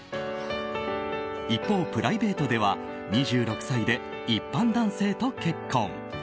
一方、プライベートでは２６歳で一般男性と結婚。